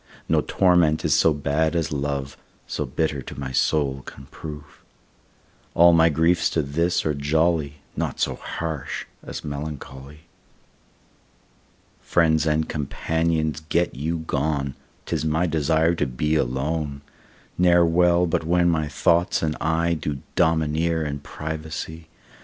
No torment is so bad as love, So bitter to my soul can prove. All my griefs to this are jolly, Naught so harsh as melancholy. Friends and companions get you gone, 'Tis my desire to be alone; Ne'er well but when my thoughts and I Do domineer in privacy.